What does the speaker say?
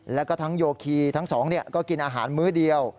แล้วก็ทั้งโยคีทั้งสองก็กินอาหารมื้อเดียว